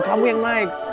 kamu yang naik